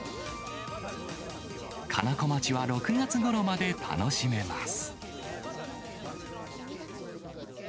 かなこまちは６月ごろまで楽しめます。